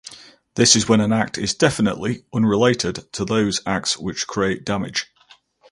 This is when an act is definitely unrelated to those acts which create damage.